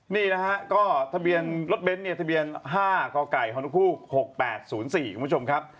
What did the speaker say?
นี่นะฮะก็ทะเบียนรถเบนท์๕คฮ๖๘๐๔คุณผู้ชมครับ